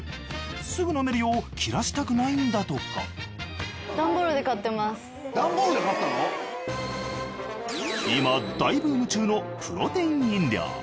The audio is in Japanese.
すぐ飲めるよう切らしたくないんだとか今大ブーム中のプロテイン飲料。